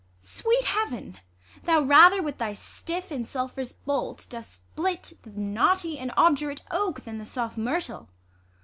Sweet Heaven ! Thou rather with thy stiff and sulph'rous bolt Dost split the knotty and obdurate oak Thau the soft myrtle.